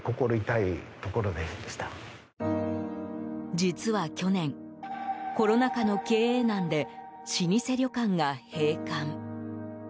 実は去年、コロナ禍の経営難で老舗旅館が閉館。